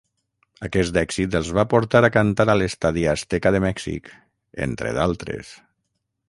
Aquest èxit els va portar a cantar a l'Estadi Azteca de Mèxic, entre d'altres.